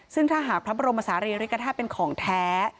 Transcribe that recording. ซึ่งถ้าหากพระบรมศาลีริกฐาตุเป็นของแท้